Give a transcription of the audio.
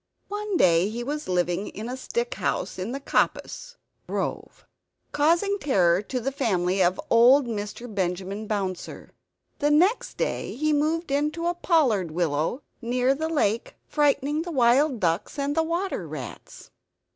One day he was living in a stick house in the coppice [grove], causing terror to the family of old Mr. Benjamin Bouncer. Next day he moved into a pollard willow near the lake, frightening the wild ducks and the water rats.